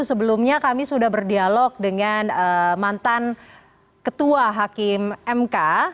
sebelumnya kami sudah berdialog dengan mantan ketua hakim mk